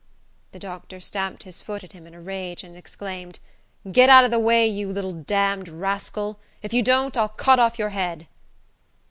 The doctor stamped his foot at him in a rage, and exclaimed, "Get out of the way, you little damned rascal! If you don't, I'll cut off your head."